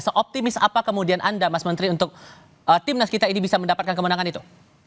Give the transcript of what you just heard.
seoptimis apa kemudian anda mas menteri untuk timnas kita ini bisa mendapatkan kemenangan itu